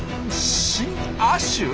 「新亜種」？